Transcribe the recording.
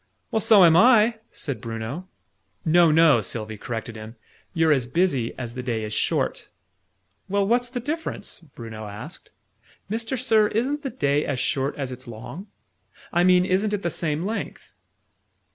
"Well, so am I!" said Bruno. "No, no!" Sylvie corrected him. "You're as busy as the day is short!" "Well, what's the difference?" Bruno asked. "Mister Sir, isn't the day as short as it's long? I mean, isn't it the same length?"